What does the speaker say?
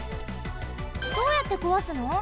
どうやってこわすの？